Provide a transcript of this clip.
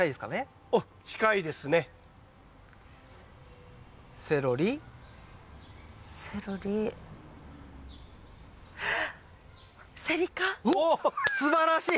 うおっすばらしい！